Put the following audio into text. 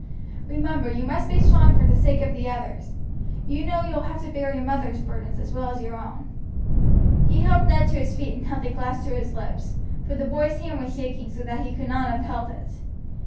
Remember you must be strong for the sake of the others. You know you will have to bear your mother's burdens as well as your own." He helped Ned to his feet and held the glass to his lips, for the boy's hand was shaking so that he could not have held it.